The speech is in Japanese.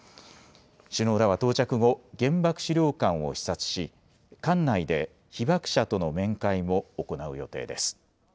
首脳らは到着後、原爆資料館を視察し、館内で被爆者との面会も行う予定です。